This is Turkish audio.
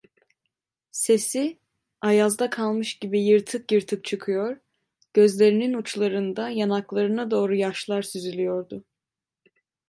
Sesi, ayazda kalmış gibi yırtık yırtık çıkıyor, gözlerinin uçlarından yanaklarına doğru yaşlar süzülüyordu.